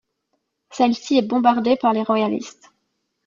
Celle-ci est bombardée par les Royalistes.